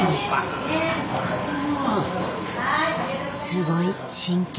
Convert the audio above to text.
すごい真剣。